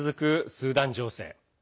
スーダン情勢。